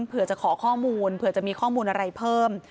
เผื่อจะขอข้อมูลเผื่อจะมีข้อมูลอะไรเพิ่ม